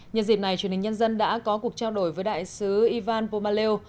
nhân dịp này truyền hình nhân dân đã có cuộc trao đổi với đại sứ ivan pomaleu